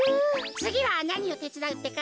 つぎはなにをてつだうってか？